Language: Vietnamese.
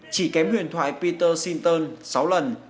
chỉ kém huyền thoại peter sinton sáu lần